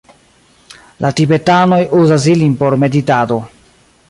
La tibetanoj uzas ilin por meditado.